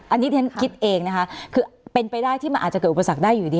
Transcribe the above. อันนี้ฉันคิดเองนะคะคือเป็นไปได้ที่มันอาจจะเกิดอุปสรรคได้อยู่ดี